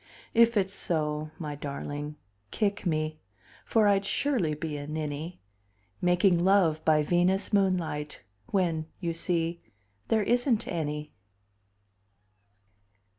If it's so, my darling, kick me, For I'd surely be a ninny, Making love by Venus moonlight When you see there isn't any!